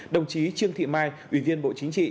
đồng chí trương thị mai ủy viên bộ chính trị